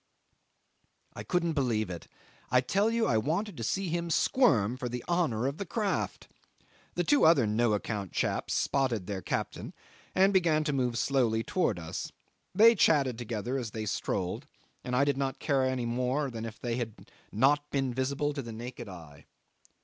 'I couldn't believe it. I tell you I wanted to see him squirm for the honour of the craft. The other two no account chaps spotted their captain, and began to move slowly towards us. They chatted together as they strolled, and I did not care any more than if they had not been visible to the naked eye.